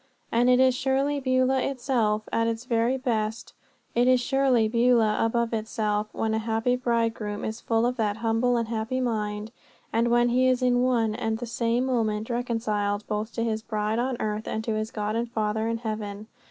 And it is surely Beulah itself, at its very best, it is surely Beulah above itself, when a happy bridegroom is full of that humble and happy mind, and when he is in one and the same moment reconciled both to his bride on earth and to his God and Father in heaven.